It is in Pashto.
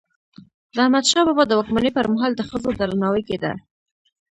د احمدشاه بابا د واکمني پر مهال د ښځو درناوی کيده.